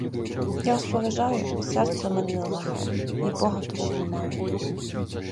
Я вас поважаю, і серце у мене не лихе, і бога в душі маю.